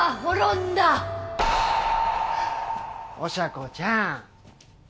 おしゃ子ちゃん。